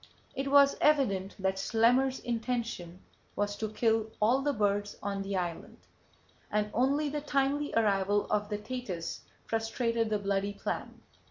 It was evident that Schlemmer's intention was to kill all the birds on the island, and only the timely arrival of the Thetis frustrated that bloody plan.